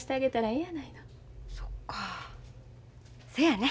そっかそやね。